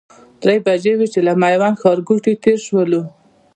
درې بجې وې چې له میوند ښارګوټي تېر شولو.